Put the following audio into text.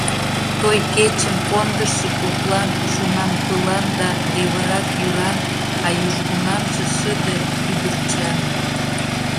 Той кечым кондышо коклан, Шонанпылан да левырак йӱран, А южгунамже шыде, кӱдырчан…